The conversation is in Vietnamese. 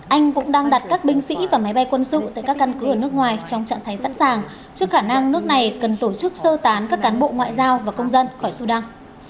anh cũng đang đặt các binh sĩ và máy bay quân sự tại các căn cứ ở nước ngoài trong trạng thái sẵn sàng trước khả năng nước này cần tổ chức sơ tán các cán bộ ngoại giao và công dân khỏi sudan